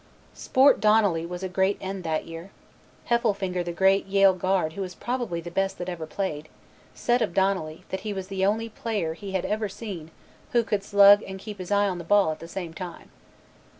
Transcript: Sport Donnelly was a great end that year. Heffelfinger the great Yale guard who is probably the best that ever played, said of Donnelly, that he was the only player he had ever seen who could slug and keep his eye on the ball at the same time.